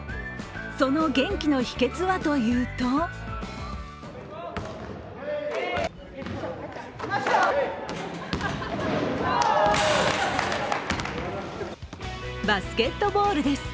その元気の秘けつはというとバスケットボールです。